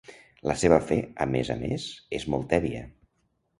La seva fe, a més a més, és molt tèbia.